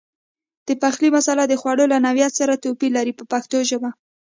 د پخلي مساله د خوړو له نوعیت سره توپیر لري په پښتو ژبه.